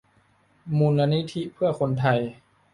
มูลนิธิเพื่อคนไทย